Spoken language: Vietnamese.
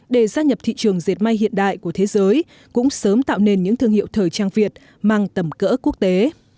để gia nhập thị trường diệt may hiện đại của thế giới cũng sớm tạo nên những thương hiệu thời trang việt mang tầm cỡ quốc tế